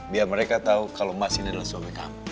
biar mereka tahu kalau mas ini adalah suami kamu